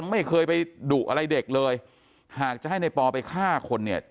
ไม่เคยไปดุอะไรเด็กเลยหากจะให้ในปอไปฆ่าคนเนี่ย